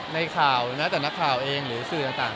ในข่าวนะแต่นักข่าวเองหรือสื่อต่าง